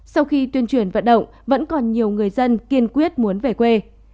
sau khi tuyên truyền vận động vẫn còn nhiều người dân kiên quyết muốn về quê